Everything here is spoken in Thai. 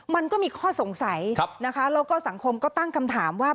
มันก็มีข้อสงสัยนะคะแล้วก็สังคมก็ตั้งคำถามว่า